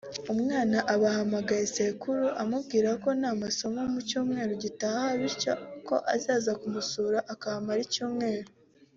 umwana aba ahamagaye sekuru (boss) amubwira ko nta masomo mu cyumweru gitaha bityo ko azaza akamusura akahamara icyumweru